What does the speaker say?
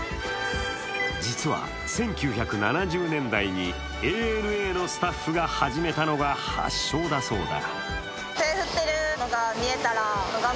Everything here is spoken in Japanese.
実は１９７０年代にＡＮＡのスタッフが始めたのが発祥だそうだ。